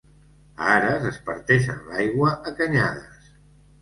A Ares es parteixen l'aigua a canyades.